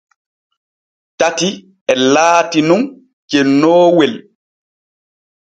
Tati e laati nun cennoowel.